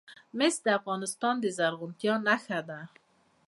مس د افغانستان د زرغونتیا نښه ده.